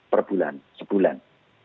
per bulan sebulan